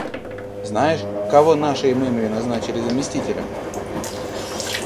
Знаешь, кого нашей мымре назначили заместителем?